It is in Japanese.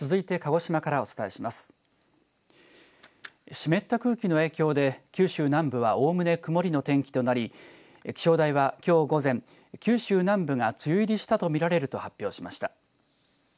湿った空気の影響で九州南部はおおむね曇りの天気となり気象台は、きょう午前九州南部が梅雨入りしたと見られると発表しました。